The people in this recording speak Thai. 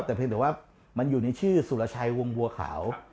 แต่เพียงแต่ว่ามันอยู่ในชื่อสุรชัยวงบัวขาว